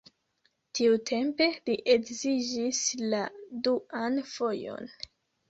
Tiutempe li edziĝis la duan fojon.